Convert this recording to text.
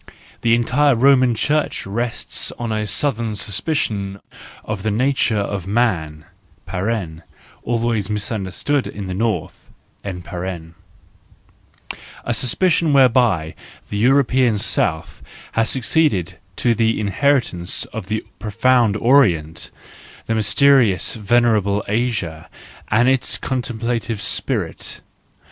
The entire Roman Church rests on a Southern suspicion of the nature of man (always misunderstood in the North), a suspicion whereby the European South has suc¬ ceeded to the inheritance of the profound Orient— the mysterious, venerable Asia—and its contem¬ plative spirit.